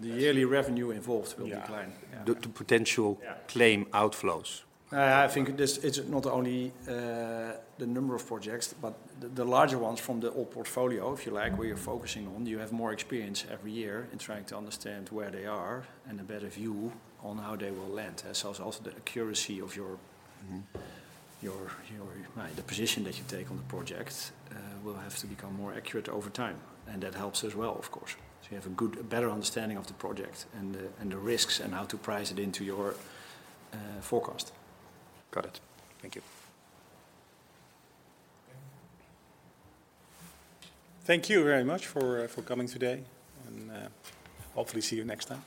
The yearly revenue involved will decline.
Yeah.
Yeah.
The potential.
Yeah.
Claim outflows.
I think this, it's not only the number of projects, but the, the larger ones from the old portfolio, if you like, where you're focusing on, you have more experience every year in trying to understand where they are and a better view on how they will land. So it's also the accuracy of your, your, the position that you take on the project will have to become more accurate over time, and that helps as well, of course. So you have a good, a better understanding of the project and the, and the risks and how to price it into your forecast.
Got it. Thank you.
Thank you very much for coming today, and hopefully see you next time.